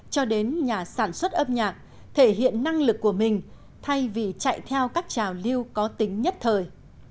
cho đến nhà sản xuất âm nhạc thể hiện năng lực của mình thay vì chạy theo các trào lưu có tính nhất thời